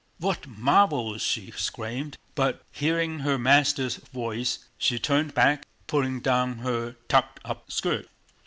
"What marvels!" she exclaimed, but hearing her master's voice she turned back, pulling down her tucked up skirt.